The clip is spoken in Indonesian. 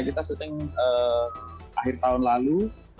kita syuting akhir tahun lalu